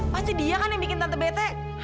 pasti dia kan yang bikin tante bete